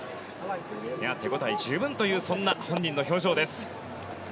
手応え十分というそんな本人の表情です。